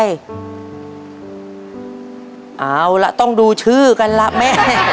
เอาล่ะต้องดูชื่อกันล่ะแม่